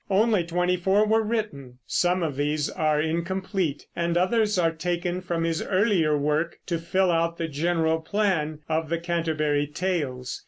Only twenty four were written; some of these are incomplete, and others are taken from his earlier work to fill out the general plan of the Canterbury Tales.